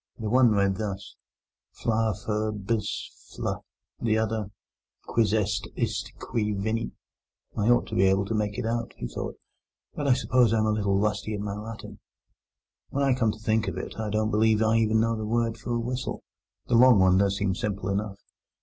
The one read thus: FLA FUR BIS FLE The other: QUIS EST ISTE QUI VENIT "I ought to be able to make it out," he thought; "but I suppose I am a little rusty in my Latin. When I come to think of it, I don't believe I even know the word for a whistle. The long one does seem simple enough.